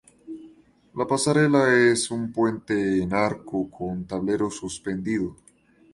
La pasarela es un puente en arco con tablero suspendido.